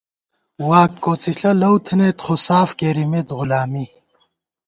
واک کوڅِݪہ لؤتھنئیت ، خوساف کېرَمېت غُلامی